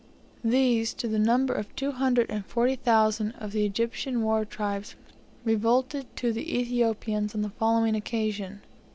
These, to the number of two hundred and forty thousand of the Egyptian war tribe, revolted to the Ethiopians on the following occasion.